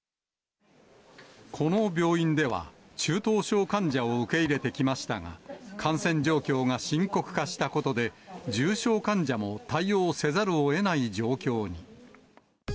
この病院では、中等症患者を受け入れてきましたが、感染状況が深刻化したことで、重症患者も対応せざるをえない状況に。